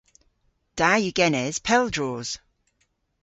Da yw genes pel droos.